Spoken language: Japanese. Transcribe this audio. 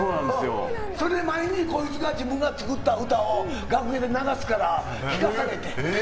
それで前に、こいつが自分で作った歌を楽屋で流すから聞かされて。